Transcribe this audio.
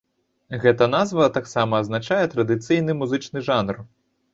Гэта назва таксама азначае традыцыйны музычны жанр.